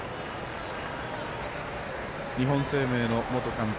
日本生命の元監督